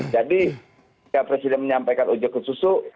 jadi setiap presiden menyampaikan ojo ke susu